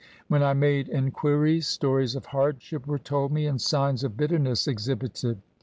When I made en quiries, stories of hardship were told me and signs of bitterness exhibited.